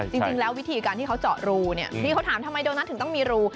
จริงแล้ววิธีการที่เขาเจาะรูเนี่ยที่เขาถามทำไมโดนัทถึงต้องมีรู